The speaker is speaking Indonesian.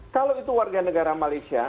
kalau itu warga negara malaysia